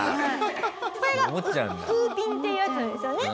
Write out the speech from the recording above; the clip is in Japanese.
これがウーピンっていうやつなんですよね？